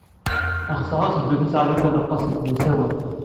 Ɣseɣ ad teddu Taseɛdit Tabelqasemt d asawen.